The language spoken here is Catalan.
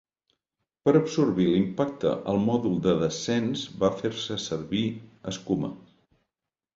Per absorbir l'impacte al mòdul de descens va fer-se servir escuma.